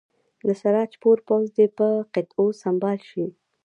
د سراج پور پوځ دې په قطعو سمبال شي.